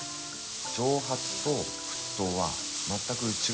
蒸発と沸騰は全く違う現象です。